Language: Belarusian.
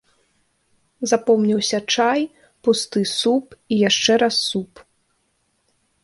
Запомніўся чай, пусты суп і яшчэ раз суп.